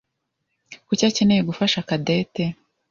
Kuki akeneye gufasha Cadette?